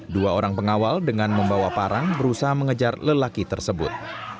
dua orang pengawal dengan membawa parang berusaha mengejar lelaki tersebut